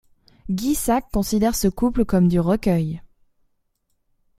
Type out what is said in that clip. Guy Sacre considère ce couple comme du recueil.